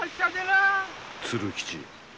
鶴吉。